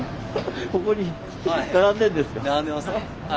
ここに並んでるんですか？